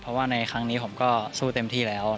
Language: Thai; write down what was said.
เพราะว่าในครั้งนี้ผมก็สู้เต็มที่แล้ว